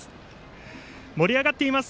盛り上がっています